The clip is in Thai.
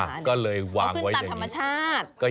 อ่ะก็เลยวางไว้อย่างนี้โปรดคืนตัดธรรมชาติ